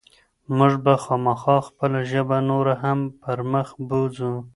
موږ به خامخا خپله ژبه نوره هم پرمخ بوځو.